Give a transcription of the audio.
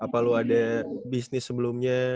apa lu ada bisnis sebelumnya